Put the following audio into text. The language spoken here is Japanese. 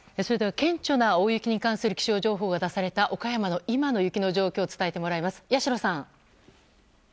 顕著な大雪に関する気象情報が出された岡山の今の雪の状況を伝えてもらいます。